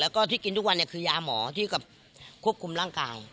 แล้วก็ที่กินทุกวันคือยาหมอที่ควบคุมร่างกาย